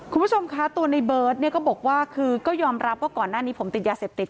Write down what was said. คุณผู้ชมคะตัวในเบิร์ตเนี่ยก็บอกว่าคือก็ยอมรับว่าก่อนหน้านี้ผมติดยาเสพติด